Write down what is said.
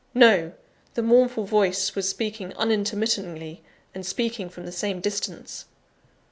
No! the mournful voice was speaking unintermittingly, and speaking from the same distance.